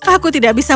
aku tidak bisa